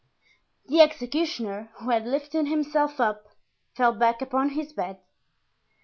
The executioner, who had lifted himself up, fell back upon his bed.